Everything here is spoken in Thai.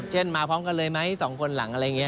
มาพร้อมกันเลยไหม๒คนหลังอะไรอย่างนี้